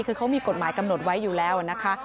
คือเขามีกฎหมายกำหนดไว้อยู่แล้วนะคะ